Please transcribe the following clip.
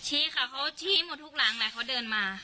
ค่ะเขาชี้หมดทุกหลังแหละเขาเดินมา